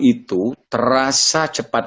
itu terasa cepat